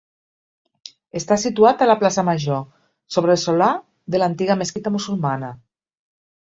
Està situat a la plaça Major, sobre el solar de l'antiga mesquita musulmana.